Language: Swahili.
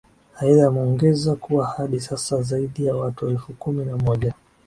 aidha ameongeza kuwa hadi sasa zaidi ya watu elfu kumi na moja